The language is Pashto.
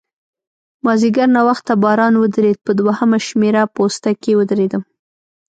مازیګر ناوخته باران ودرېد، په دوهمه شمېره پوسته کې ودرېدم.